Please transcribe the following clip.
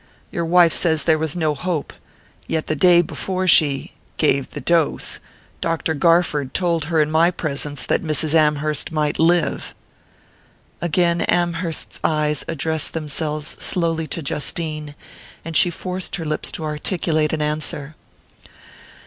Your wife says there was no hope; yet the day before she...gave the dose, Dr. Garford told her in my presence that Mrs. Amherst might live." Again Amherst's eyes addressed themselves slowly to Justine; and she forced her lips to articulate an answer.